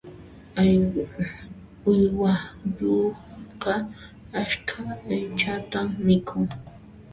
Uywayuqqa askha aychatan mikhun.